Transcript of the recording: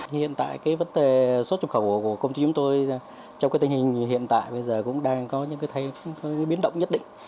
hiện tại cái vấn đề xuất nhập khẩu của công chúng tôi trong cái tình hình hiện tại bây giờ cũng đang có những cái biến động nhất định